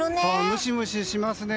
ムシムシしますね。